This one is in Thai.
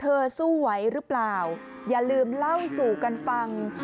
สู้ไหวหรือเปล่าอย่าลืมเล่าสู่กันฟัง